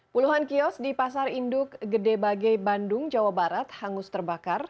puluhan kios di pasar induk gede bage bandung jawa barat hangus terbakar